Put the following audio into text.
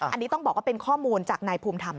อันนี้ต้องบอกว่าเป็นข้อมูลจากนายภูมิธรรม